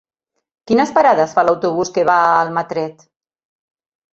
Quines parades fa l'autobús que va a Almatret?